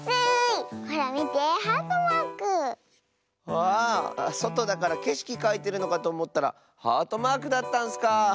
わあそとだからけしきかいてるのかとおもったらハートマークだったんスかあ。